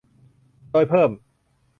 โดยเพิ่ม